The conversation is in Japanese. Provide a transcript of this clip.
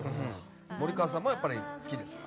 森川さんもやっぱり好きですか？